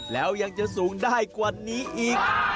แล้วยังจะสูงได้กว่านี้อีก